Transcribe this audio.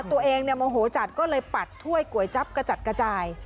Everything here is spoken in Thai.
โมโหจัดก็เลยปัดถ้วยก๋วยจั๊บกระจัดกระจาย